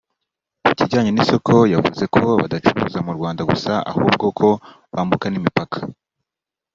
Ku kijyanye n’isoko yavuze ko badacuruza mu Rwanda gusa ahubwo ko bambuka n’imipaka